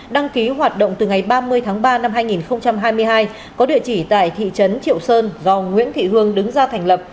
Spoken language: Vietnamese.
đăng ký hoạt động từ ngày ba mươi tháng ba năm hai nghìn hai mươi hai có địa chỉ tại thị trấn triệu sơn do nguyễn thị hương đứng ra thành lập